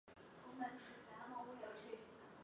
胶海关旧址此后长期作为青岛海关办公楼使用。